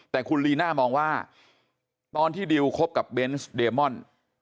แต่คุณลีน่ามองว่าตอนที่ดิวคบกับเบนส์เดมอน